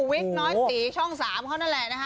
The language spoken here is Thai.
วิทย์น้อยสีช่อง๓เขานั่นแหละนะ